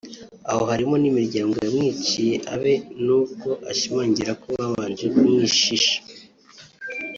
aho harimo n’imiryango yamwiciye abe nubwo ashimangira ko babanje kumwishisha